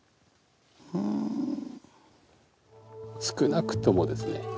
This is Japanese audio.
少なくともですね